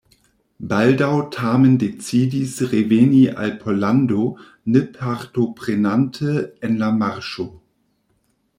Baldaŭ tamen decidis reveni al Pollando ne partoprenante en la marŝo.